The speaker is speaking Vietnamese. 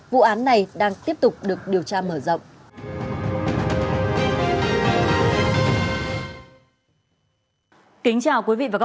vụ án này đang tiếp tục được điều tra mở rộng